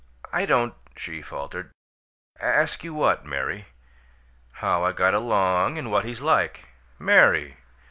"I don't " she faltered. "Ask you what, Mary?" "How I got along and what he's like." "Mary!"